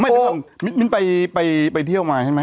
ไม่นึกว่ามิ้นท์ไปเที่ยวไหมไปเที่ยวที่ไหนมั้ย